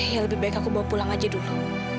ya lebih baik aku bawa pulang aja dulu